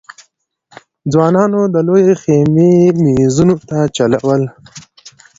ځوانانو د لويې خېمې مېزونو ته چلول.